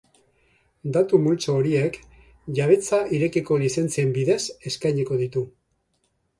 Datu multzo horiek jabetza irekiko lizentzien bidez eskainiko ditu.